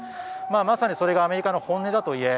まさにそれがアメリカの本音だといえ